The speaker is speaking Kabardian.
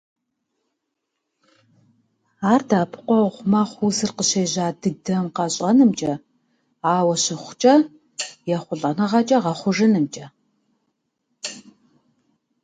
Ар дэӀэпыкъуэгъу мэхъу узыр къыщежьэ дыдэм къэщӀэнымкӀэ, ауэ щыхъукӀэ, ехъулӀэныгъэкӀэ гъэхъужынымкӀэ.